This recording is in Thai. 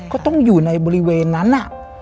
ก็ต้องอยู่ในบริเวณนั้น